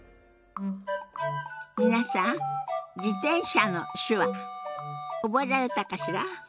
皆さん「自転車」の手話覚えられたかしら？